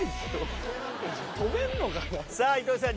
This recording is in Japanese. さぁ糸井さん